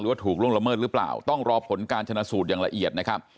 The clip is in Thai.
ว่าถูกล่วงละเมิดหรือเปล่าต้องรอผลการชนะสูตรอย่างละเอียดนะครับ